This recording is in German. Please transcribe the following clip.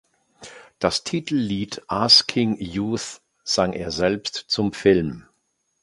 Das Titellied "Asking Youth" sang er selbst zum Film.